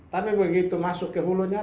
tapi begitu masuk ke hulunya